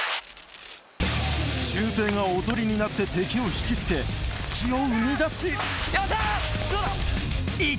シュウペイがおとりになって敵を引きつけ隙を生み出しよっしゃ！